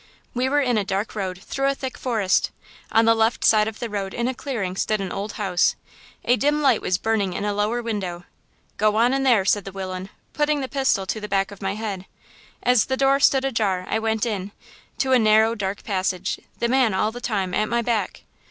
We were in a dark road through a thick forest. On the left side of the road in a clearing stood an old house; a dim light was burning in a lower window. "'Go on in there,' said the willain, putting the pistil to the back of my head. As the door stood ajar I went in, to a narrow, dark passage, the man all the time at my back.